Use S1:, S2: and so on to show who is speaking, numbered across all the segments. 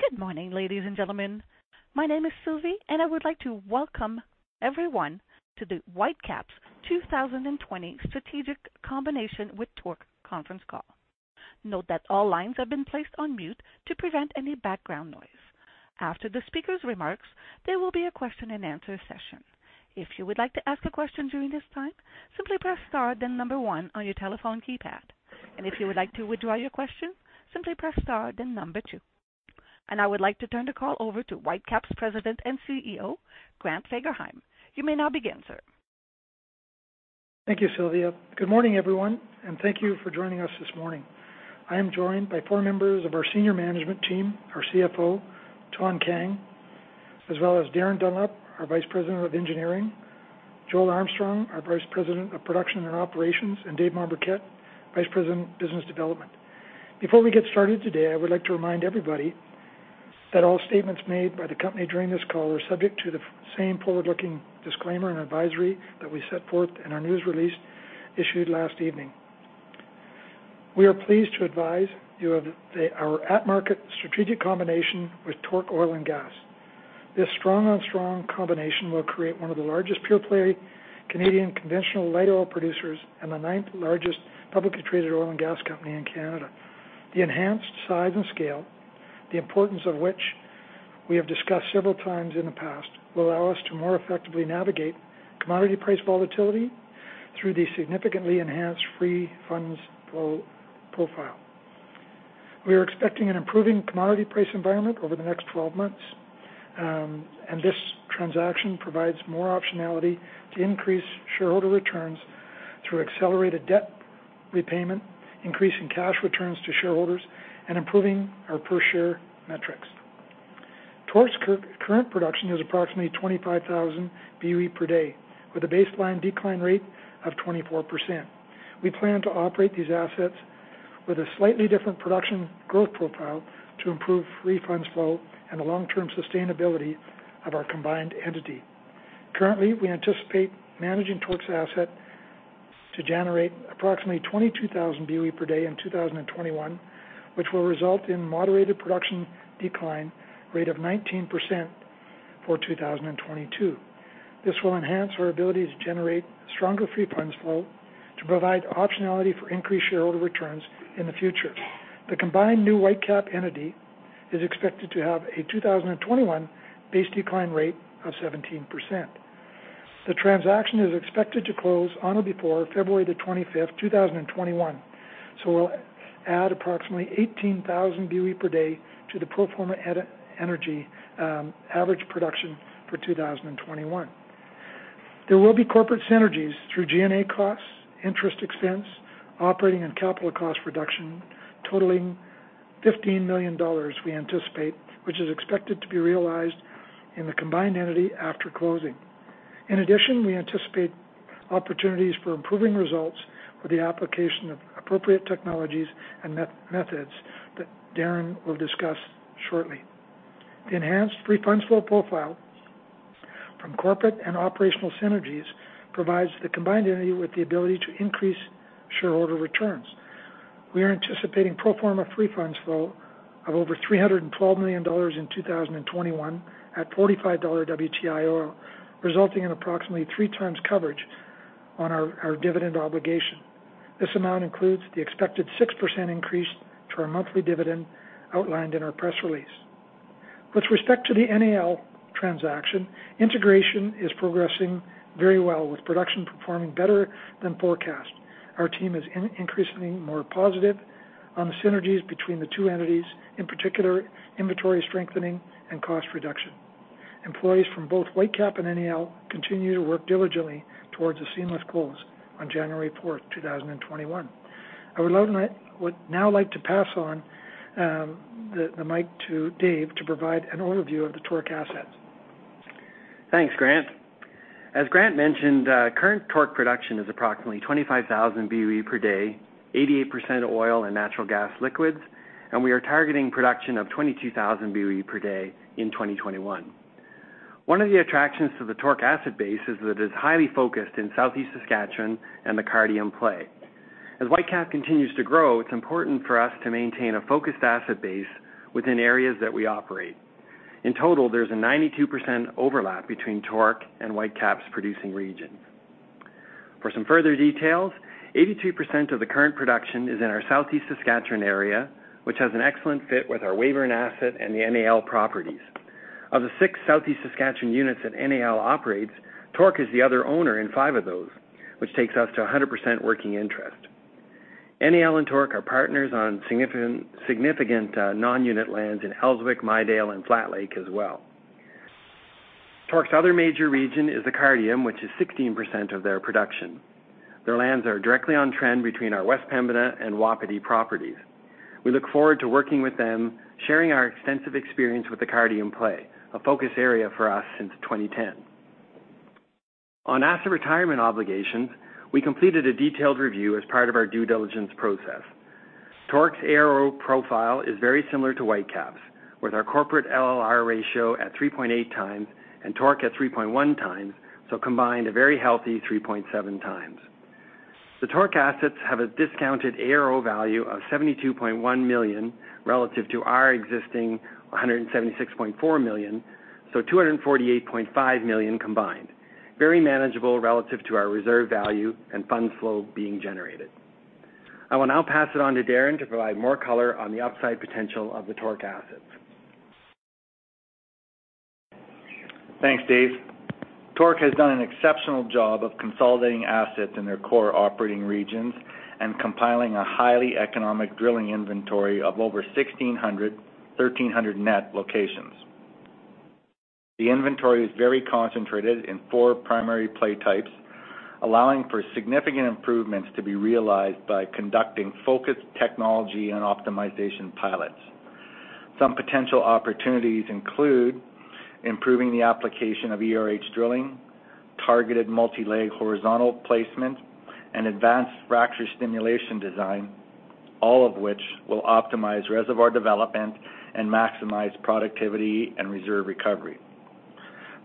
S1: Good morning, ladies and gentlemen. My name is Sylvia, and I would like to welcome everyone to the Whitecap's 2020 Strategic Combination with TORC Conference Call. Note that all lines have been placed on mute to prevent any background noise. After the speaker's remarks, there will be a question-and-answer session. If you would like to ask a question during this time, simply press star then number one on your telephone keypad. And if you would like to withdraw your question, simply press star then number two. And I would like to turn the call over to Whitecap's President and CEO, Grant Fagerheim. You may now begin, sir.
S2: Thank you, Sylvia. Good morning, everyone, and thank you for joining us this morning. I am joined by four members of our Senior Management Team, our CFO, Thanh Kang, as well as Darin Dunlop, our Vice President of Engineering, Joel Armstrong, our Vice President of Production and Operations, and Dave Mombourquette, Vice President of Business Development. Before we get started today, I would like to remind everybody that all statements made by the company during this call are subject to the same forward-looking disclaimer and advisory that we set forth in our news release issued last evening. We are pleased to advise you of our at-market strategic combination with TORC Oil and Gas. This strong-on-strong combination will create one of the largest pure-play Canadian conventional light oil producers and the ninth-largest publicly traded oil and gas company in Canada. The enhanced size and scale, the importance of which we have discussed several times in the past, will allow us to more effectively navigate commodity price volatility through the significantly enhanced free funds profile. We are expecting an improving commodity price environment over the next 12 months, and this transaction provides more optionality to increase shareholder returns through accelerated debt repayment, increasing cash returns to shareholders, and improving our per-share metrics. TORC's current production is approximately 25,000 BOE per day, with a baseline decline rate of 24%. We plan to operate these assets with a slightly different production growth profile to improve free funds flow and the long-term sustainability of our combined entity. Currently, we anticipate managing TORC's asset to generate approximately 22,000 BOE per day in 2021, which will result in a moderated production decline rate of 19% for 2022. This will enhance our ability to generate stronger free funds flow to provide optionality for increased shareholder returns in the future. The combined new Whitecap entity is expected to have a 2021 base decline rate of 17%. The transaction is expected to close on or before February the 25th, 2021, so we'll add approximately 18,000 BOE per day to the pro forma entity average production for 2021. There will be corporate synergies through G&A costs, interest expense, operating and capital cost reduction, totaling 15 million dollars, we anticipate, which is expected to be realized in the combined entity after closing. In addition, we anticipate opportunities for improving results with the application of appropriate technologies and methods that Darin will discuss shortly. The enhanced free funds flow profile from corporate and operational synergies provides the combined entity with the ability to increase shareholder returns. We are anticipating pro forma free funds flow of over 312 million dollars in 2021 at $45 WTI, resulting in approximately three times coverage on our dividend obligation. This amount includes the expected 6% increase to our monthly dividend outlined in our press release. With respect to the NAL transaction, integration is progressing very well, with production performing better than forecast. Our team is increasingly more positive on the synergies between the two entities, in particular inventory strengthening and cost reduction. Employees from both Whitecap and NAL continue to work diligently towards a seamless close on January 4th, 2021. I would now like to pass on the mic to Dave to provide an overview of the TORC asset.
S3: Thanks, Grant. As Grant mentioned, current TORC production is approximately 25,000 BOE per day, 88% oil and natural gas liquids, and we are targeting production of 22,000 BOE per day in 2021. One of the attractions to the TORC asset base is that it is highly focused in Southeast Saskatchewan and the Cardium play. As Whitecap continues to grow, it's important for us to maintain a focused asset base within areas that we operate. In total, there's a 92% overlap between TORC and Whitecap's producing regions. For some further details, 82% of the current production is in our Southeast Saskatchewan area, which has an excellent fit with our Weyburn asset and the NAL properties. Of the six Southeast Saskatchewan units that NAL operates, TORC is the other owner in five of those, which takes us to 100% working interest. NAL and TORC are partners on significant non-unit lands in Elswick, Midale, and Flat Lake as well. TORC's other major region is the Cardium, which is 16% of their production. Their lands are directly on trend between our West Pembina and Wapiti properties. We look forward to working with them, sharing our extensive experience with the Cardium play, a focus area for us since 2010. On asset retirement obligations, we completed a detailed review as part of our due diligence process. TORC's ARO profile is very similar to Whitecap's, with our corporate LLR ratio at 3.8 times and TORC at 3.1 times, so combined a very healthy 3.7 times. The TORC assets have a discounted ARO value of 72.1 million relative to our existing 176.4 million, so 248.5 million combined. Very manageable relative to our reserve value and funds flow being generated. I will now pass it on to Darin to provide more color on the upside potential of the TORC assets. Thanks, Dave. TORC has done an exceptional job of consolidating assets in their core operating regions and compiling a highly economic drilling inventory of over 1,600, 1,300 net locations. The inventory is very concentrated in four primary play types, allowing for significant improvements to be realized by conducting focused technology and optimization pilots. Some potential opportunities include improving the application of ERH drilling, targeted multi-leg horizontal placement, and advanced fracture stimulation design, all of which will optimize reservoir development and maximize productivity and reserve recovery.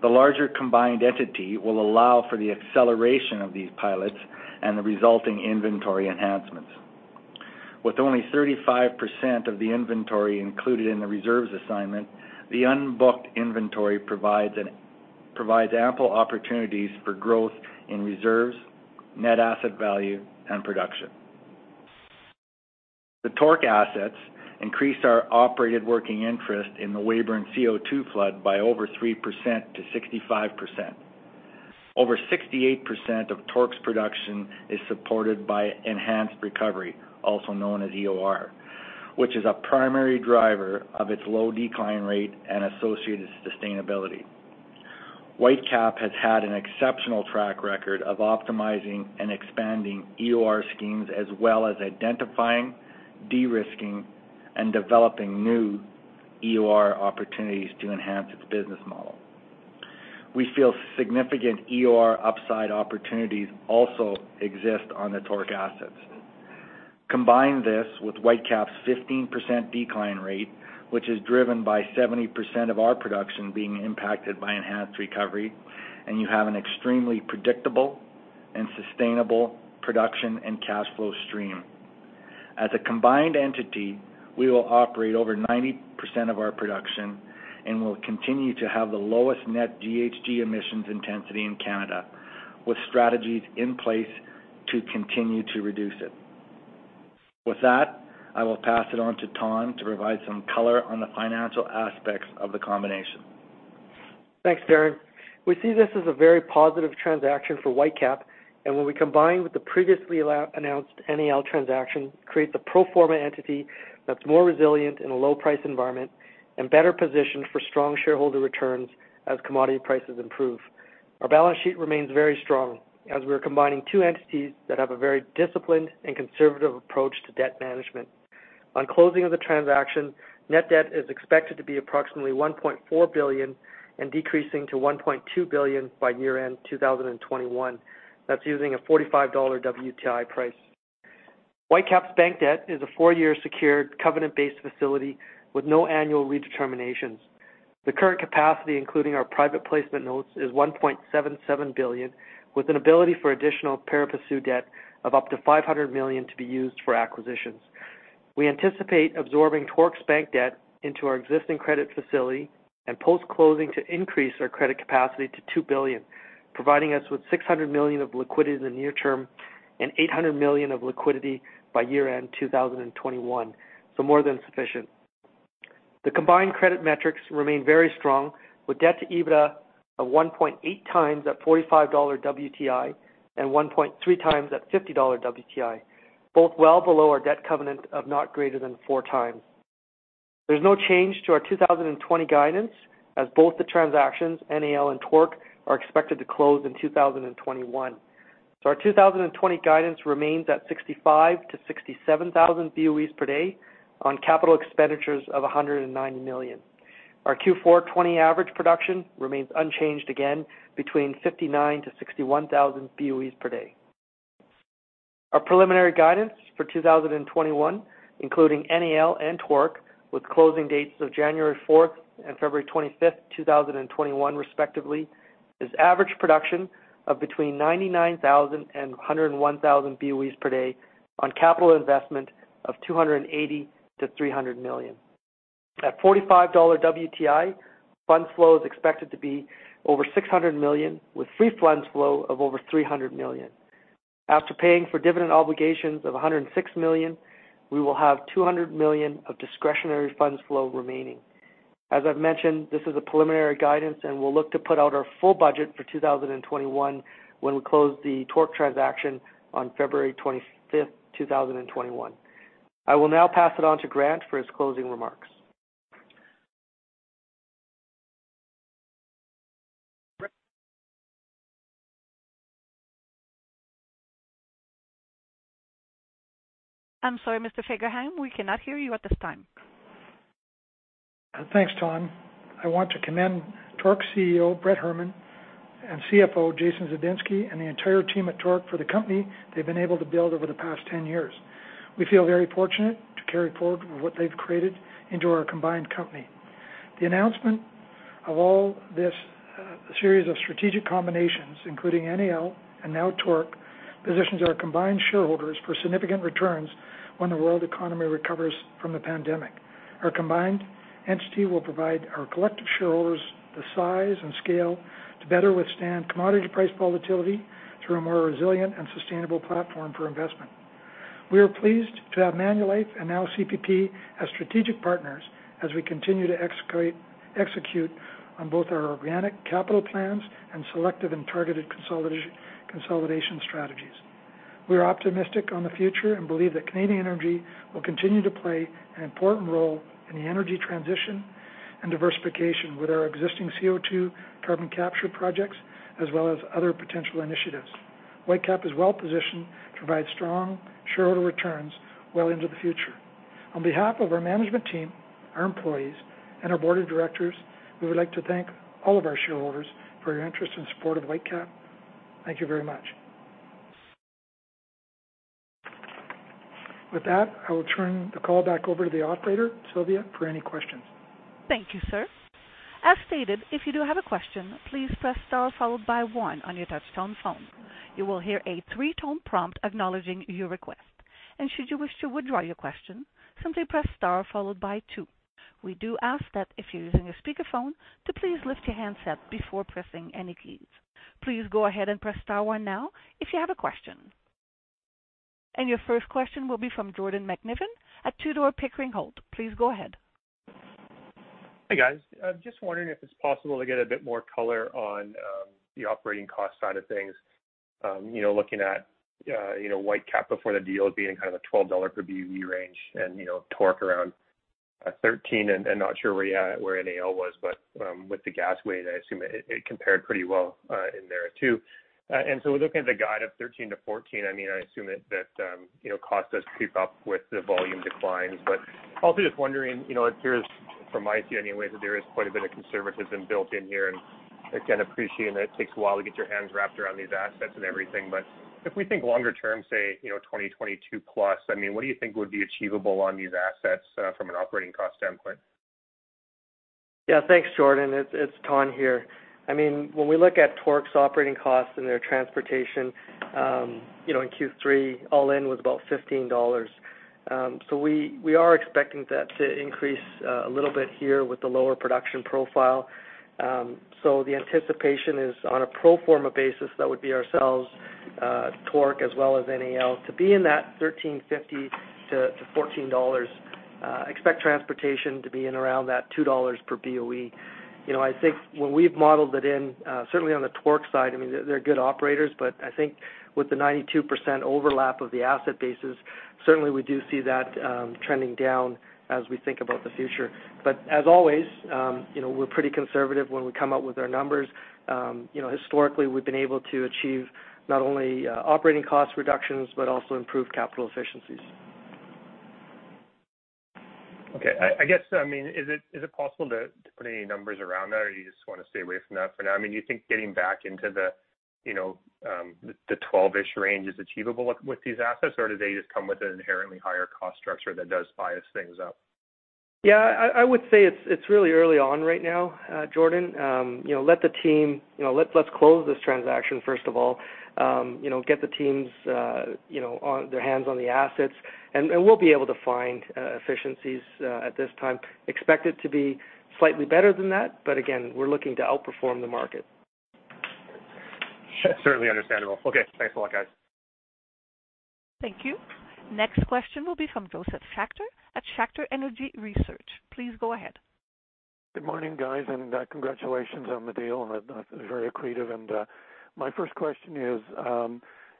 S3: The larger combined entity will allow for the acceleration of these pilots and the resulting inventory enhancements. With only 35% of the inventory included in the reserves assignment, the unbooked inventory provides ample opportunities for growth in reserves, net asset value, and production. The TORC assets increase our operated working interest in the Weyburn CO2 flood by over 3% to 65%. Over 68% of TORC's production is supported by enhanced recovery, also known as EOR, which is a primary driver of its low decline rate and associated sustainability. Whitecap has had an exceptional track record of optimizing and expanding EOR schemes as well as identifying, de-risking, and developing new EOR opportunities to enhance its business model. We feel significant EOR upside opportunities also exist on the TORC assets. Combine this with Whitecap's 15% decline rate, which is driven by 70% of our production being impacted by enhanced recovery, and you have an extremely predictable and sustainable production and cash flow stream. As a combined entity, we will operate over 90% of our production and will continue to have the lowest net GHG emissions intensity in Canada, with strategies in place to continue to reduce it. With that, I will pass it on to Thanh to provide some color on the financial aspects of the combination.
S4: Thanks, Darin. We see this as a very positive transaction for Whitecap, and when we combine with the previously announced NAL transaction, it creates a pro forma entity that's more resilient in a low-price environment and better positioned for strong shareholder returns as commodity prices improve. Our balance sheet remains very strong as we are combining two entities that have a very disciplined and conservative approach to debt management. On closing of the transaction, net debt is expected to be approximately 1.4 billion and decreasing to 1.2 billion by year-end 2021. That's using a $45 WTI price. Whitecap's bank debt is a four-year secured covenant-based facility with no annual redeterminations. The current capacity, including our private placement notes, is 1.77 billion, with an ability for additional pari passu debt of up to 500 million to be used for acquisitions. We anticipate absorbing TORC's bank debt into our existing credit facility and post-closing to increase our credit capacity to 2 billion, providing us with 600 million of liquidity in the near term and 800 million of liquidity by year-end 2021, so more than sufficient. The combined credit metrics remain very strong, with debt to EBITDA of 1.8 times at $45 WTI and 1.3 times at $50 WTI, both well below our debt covenant of not greater than four times. There's no change to our 2020 guidance as both the transactions, NAL and TORC, are expected to close in 2021, so our 2020 guidance remains at 65,000-67,000 BOEs per day on capital expenditures of 190 million. Our Q4 2020 average production remains unchanged again between 59,000-61,000 BOEs per day. Our preliminary guidance for 2021, including NAL and TORC, with closing dates of January 4th and February 25th, 2021, respectively, is average production of between 99,000 and 101,000 BOEs per day on capital investment of 280 to 300 million. At $45 WTI, funds flow is expected to be over 600 million, with free funds flow of over 300 million. After paying for dividend obligations of 106 million, we will have 200 million of discretionary funds flow remaining. As I've mentioned, this is a preliminary guidance, and we'll look to put out our full budget for 2021 when we close the TORC transaction on February 25th, 2021. I will now pass it on to Grant for his closing remarks.
S1: I'm sorry, Mr. Fagerheim, we cannot hear you at this time.
S2: Thanks, Thanh. I want to commend TORC's CEO, Brett Herman, and CFO, Jason Tzydnoff, and the entire team at TORC for the company they've been able to build over the past 10 years. We feel very fortunate to carry forward what they've created into our combined company. The announcement of all this series of strategic combinations, including NAL and now TORC, positions our combined shareholders for significant returns when the world economy recovers from the pandemic. Our combined entity will provide our collective shareholders the size and scale to better withstand commodity price volatility through a more resilient and sustainable platform for investment. We are pleased to have Manulife and now CPP as strategic partners as we continue to execute on both our organic capital plans and selective and targeted consolidation strategies. We are optimistic on the future and believe that Canadian energy will continue to play an important role in the energy transition and diversification with our existing CO2 carbon capture projects as well as other potential initiatives. Whitecap is well positioned to provide strong shareholder returns well into the future. On behalf of our management team, our employees, and our board of directors, we would like to thank all of our shareholders for your interest and support of Whitecap. Thank you very much. With that, I will turn the call back over to the operator, Sylvia, for any questions.
S1: Thank you, sir. As stated, if you do have a question, please press star followed by one on your touch-tone phone. You will hear a three-tone prompt acknowledging your request. And should you wish to withdraw your question, simply press star followed by two. We do ask that if you're using a speakerphone, to please lift your handset before pressing any keys. Please go ahead and press star one now if you have a question. And your first question will be from Jordan McNiven at Tudor Pickering Holt. Please go ahead.
S5: Hey, guys. Just wondering if it's possible to get a bit more color on the operating cost side of things, looking at Whitecap before the deal being kind of a $12 per BOE range and TORC around 13. And not sure where NAL was, but with the gas weight, I assume it compared pretty well in there too. And so looking at the guide of 13 to 14, I mean, I assume that cost does creep up with the volume declines. But also just wondering, it appears from my seat anyway that there is quite a bit of conservatism built in here. And I can appreciate that it takes a while to get your hands wrapped around these assets and everything. But if we think longer term, say 2022 plus, I mean, what do you think would be achievable on these assets from an operating cost standpoint?
S4: Yeah, thanks, Jordan. It's Thanh here. I mean, when we look at TORC's operating costs and their transportation, in Q3, all-in was about 15 dollars. So we are expecting that to increase a little bit here with the lower production profile. So the anticipation is on a pro forma basis that would be ourselves, TORC, as well as NAL, to be in that 13.50-14 dollars. Expect transportation to be in around that 2 dollars per BOE. I think when we've modeled it in, certainly on the TORC side, I mean, they're good operators, but I think with the 92% overlap of the asset bases, certainly we do see that trending down as we think about the future. But as always, we're pretty conservative when we come up with our numbers. Historically, we've been able to achieve not only operating cost reductions but also improve capital efficiencies.
S5: Okay. I guess, I mean, is it possible to put any numbers around that, or do you just want to stay away from that for now? I mean, do you think getting back into the 12-ish range is achievable with these assets, or do they just come with an inherently higher cost structure that does bias things up?
S4: Yeah, I would say it's really early on right now, Jordan. Let the team. Let's close this transaction, first of all. Get the teams' hands on the assets. And we'll be able to find efficiencies at this time. Expect it to be slightly better than that, but again, we're looking to outperform the market.
S5: Certainly understandable. Okay. Thanks a lot, guys.
S1: Thank you. Next question will be from Joseph Schachter at Schachter Energy Research. Please go ahead.
S6: Good morning, guys, and congratulations on the deal. Very accretive. And my first question is,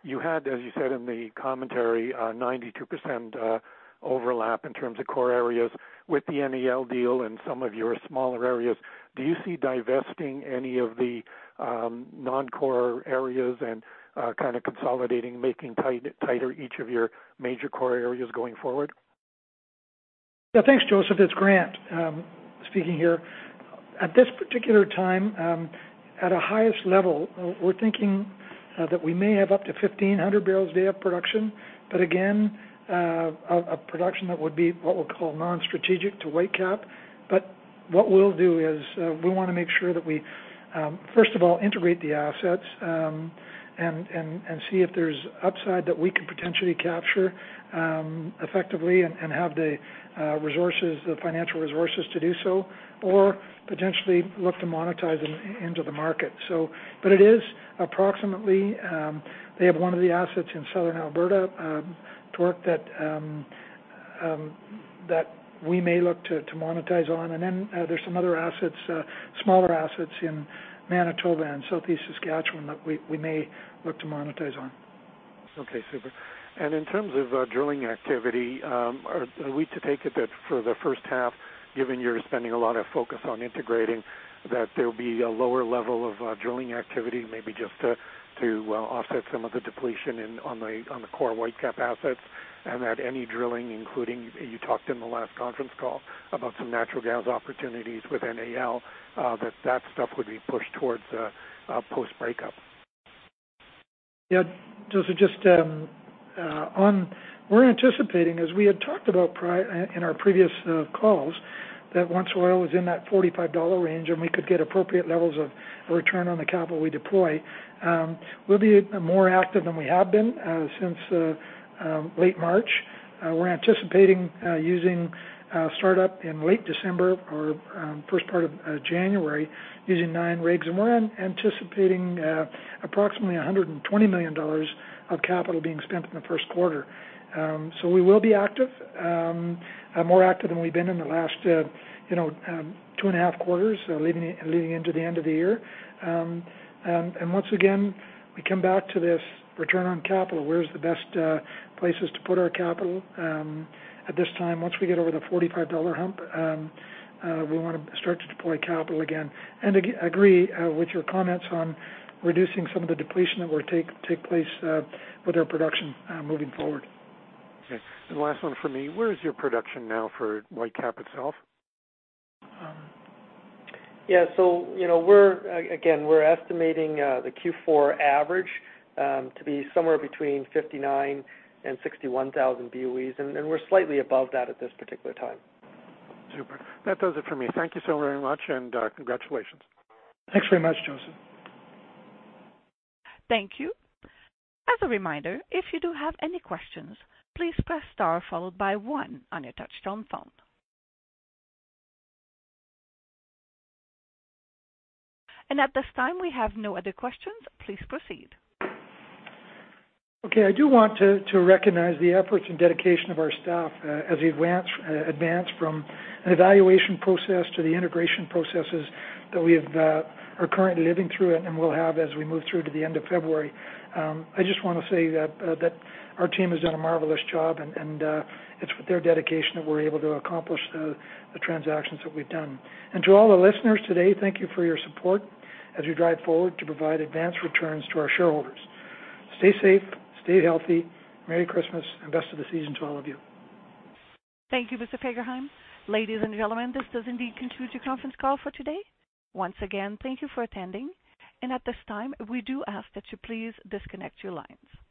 S6: you had, as you said in the commentary, 92% overlap in terms of core areas with the NAL deal and some of your smaller areas. Do you see divesting any of the non-core areas and kind of consolidating, making tighter each of your major core areas going forward?
S2: Yeah, thanks, Joseph. It's Grant speaking here. At this particular time, at a highest level, we're thinking that we may have up to 1,500 barrels a day of production, but again, a production that would be what we'll call non-strategic to Whitecap, but what we'll do is we want to make sure that we, first of all, integrate the assets and see if there's upside that we can potentially capture effectively and have the resources, the financial resources to do so, or potentially look to monetize them into the market, but it is approximately they have one of the assets in Southern Alberta, TORC, that we may look to monetize on, and then there's some other assets, smaller assets in Manitoba and Southeast Saskatchewan that we may look to monetize on.
S6: Okay, super. And in terms of drilling activity, are we to take it that for the first half, given you're spending a lot of focus on integrating, that there will be a lower level of drilling activity, maybe just to offset some of the depletion on the core Whitecap assets, and that any drilling, including you talked in the last conference call about some natural gas opportunities with NAL, that that stuff would be pushed towards post-breakup?
S2: Yeah, Joseph, just, we're anticipating, as we had talked about in our previous calls, that once oil was in that $45 range and we could get appropriate levels of return on the capital we deploy, we'll be more active than we have been since late March. We're anticipating using startup in late December or first part of January using nine rigs, and we're anticipating approximately 120 million dollars of capital being spent in the first quarter, so we will be active, more active than we've been in the last two and a half quarters leading into the end of the year, and once again, we come back to this return on capital, where's the best places to put our capital at this time. Once we get over the $45 hump, we want to start to deploy capital again. I agree with your comments on reducing some of the depletion that will take place with our production moving forward.
S6: Okay. And last one for me, where is your production now for Whitecap itself?
S4: Yeah, so again, we're estimating the Q4 average to be somewhere between 59,000 and 61,000 BOEs, and we're slightly above that at this particular time.
S6: Super. That does it for me. Thank you so very much and congratulations.
S2: Thanks very much, Joseph.
S1: Thank you. As a reminder, if you do have any questions, please press star followed by one on your touch-tone phone. And at this time, we have no other questions. Please proceed.
S2: Okay. I do want to recognize the efforts and dedication of our staff as we advance from the evaluation process to the integration processes that we are currently living through and will have as we move through to the end of February. I just want to say that our team has done a marvelous job, and it's with their dedication that we're able to accomplish the transactions that we've done. And to all the listeners today, thank you for your support as we drive forward to provide advanced returns to our shareholders. Stay safe, stay healthy. Merry Christmas and best of the season to all of you.
S1: Thank you, Mr. Fagerheim. Ladies and gentlemen, this does indeed conclude your conference call for today. Once again, thank you for attending, and at this time, we do ask that you please disconnect your lines.